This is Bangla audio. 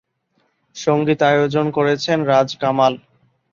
সংগীতায়োজন করেছেন রাজ কামাল।